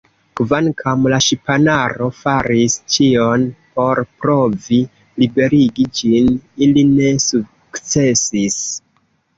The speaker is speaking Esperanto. Kvankam la ŝipanaro faris ĉion por provi liberigi ĝin, ili ne sukcesis.